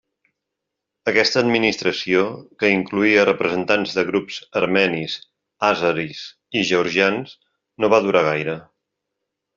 Aquesta administració, que incloïa representants de grups armenis, àzeris i georgians, no va durar gaire.